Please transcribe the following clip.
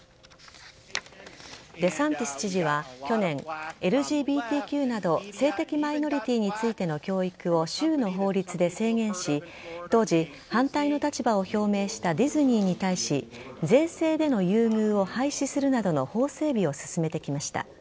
デサンティス知事は去年ＬＧＢＴＱなど性的マイノリティーについての教育を州の法律で制限し当時、反対の立場を表明したディズニーに対し税制での優遇を廃止するなどの法整備を進めてきました。